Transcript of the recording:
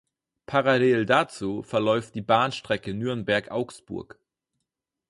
Parallel dazu verläuft die Bahnstrecke Nürnberg–Augsburg.